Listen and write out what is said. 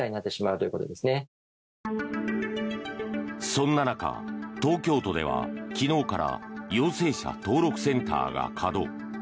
そんな中、東京都では昨日から陽性者登録センターが稼働。